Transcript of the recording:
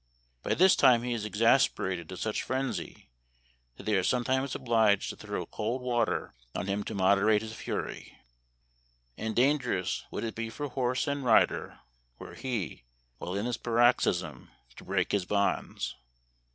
By this time he is exasperated to such frenzy that they are sometimes obliged to throw cold water on 16 242 Memoir of Washington Irving. him to moderate his fury ; and dangerous would it be for horse and rider were he, while in this paroxysm, to break his bonds.